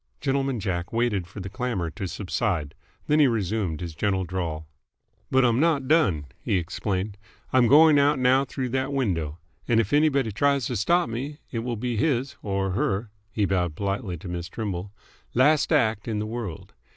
Gentleman Jack waited for the clamour to subside. Then he resumed his gentle drawl. "But I'm not done," he explained. "I'm going out now through that window. And if anybody tries to stop me, it will be his or her " he bowed politely to Miss Trimble "last act in the world.